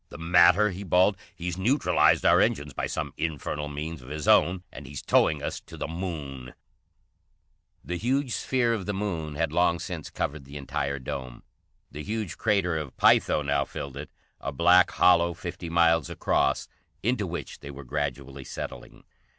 "The matter?" he bawled. "He's neutralized our engines by some infernal means of his own, and he's towing us to the Moon!" The huge sphere of the Moon had long since covered the entire dome. The huge Crater of Pytho now filled it, a black hollow fifty miles across, into which they were gradually settling.